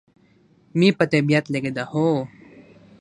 مې په طبیعت لګېده، هو.